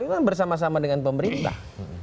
itu kan bersama sama dengan pemerintah